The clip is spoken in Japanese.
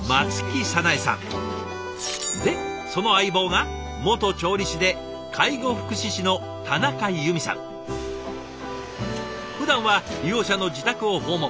でその相棒が元調理師でふだんは利用者の自宅を訪問。